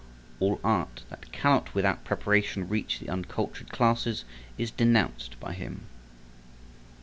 All art that cannot without preparation reach the uncultured classes is denounced by him.